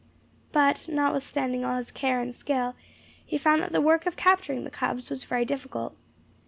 But, notwithstanding all his care and skill, he found that the work of capturing the cubs was very difficult.